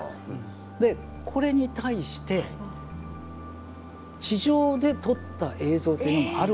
でこれに対して地上で撮った映像というのもあるわけですよね。